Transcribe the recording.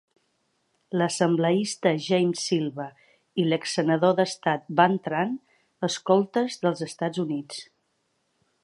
L'assembleista James Silva i l'exsenador d'estat Van Tran, escoltes dels Estats Units.